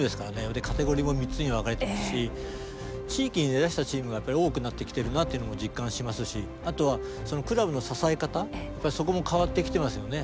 でカテゴリーも３つに分かれてますし地域に根ざしたチームがやっぱり多くなってきてるなっていうのも実感しますしあとはクラブの支え方やっぱりそこも変わってきてますよね。